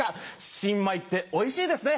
新米っておいしいですね！